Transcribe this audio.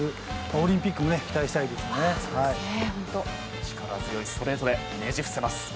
オリンピックにも力強いストレートでねじ伏せます。